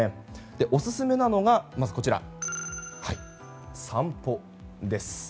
オススメなのが、散歩です。